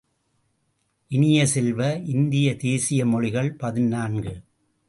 இனிய செல்வ, இந்திய தேசிய மொழிகள் பதினான்கு .